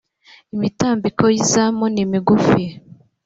imitambiko yizamu nimigufi.